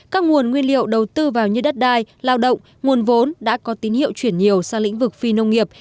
các nguồn nguyên liệu đầu tư vào như đất đai lao động nguồn vốn đã có tín hiệu chuyển nhiều sang lĩnh vực phi nông nghiệp